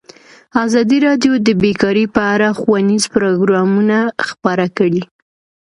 ازادي راډیو د بیکاري په اړه ښوونیز پروګرامونه خپاره کړي.